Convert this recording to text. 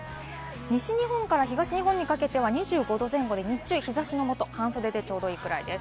西日本から東日本にかけては２５度前後で日中、日差しのもと半袖でちょうどいいくらいです。